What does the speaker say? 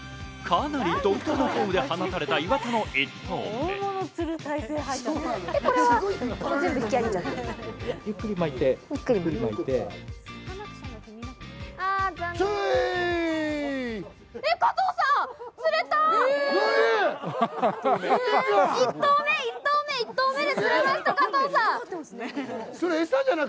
かなり独特のフォームで放たれた岩田さんの１投目。